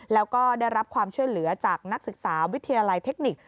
แล้วก็ได้รับความช่วยเหลือจากนักศึกษาวิทยาลัยเทคนิค